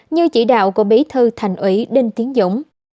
như chỉ đạo của bí thư thành ủy đinh tiến dũng